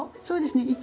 そうですね。